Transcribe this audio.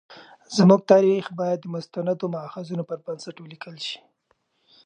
زموږ تاریخ باید د مستندو مأخذونو پر بنسټ ولیکل شي.